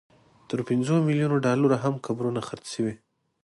تر پنځو ملیونو ډالرو هم قبرونه خرڅ شوي.